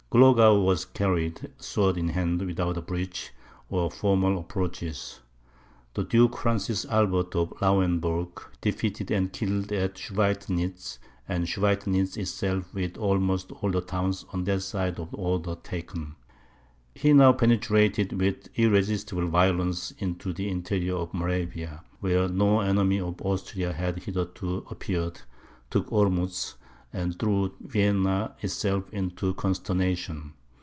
Glogau was carried, sword in hand, without a breach, or formal approaches; the Duke Francis Albert of Lauenburg defeated and killed at Schweidnitz; and Schweidnitz itself with almost all the towns on that side of the Oder, taken. He now penetrated with irresistible violence into the interior of Moravia, where no enemy of Austria had hitherto appeared, took Olmutz, and threw Vienna itself into consternation.